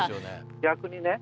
逆にね